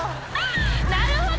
なるほど！